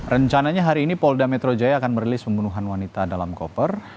rencananya hari ini polda metro jaya akan merilis pembunuhan wanita dalam koper